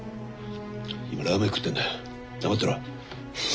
今ラーメン食ってんだ黙ってろ。